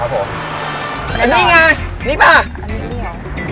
ครับผม